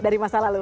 dari masa lalu